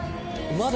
・まだ。